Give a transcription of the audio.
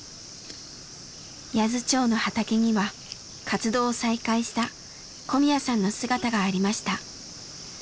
八頭町の畑には活動を再開した小宮さんの姿がありました。